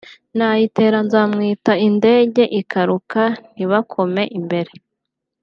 nayitera nzamwita indege ikaruka ntibakome imbere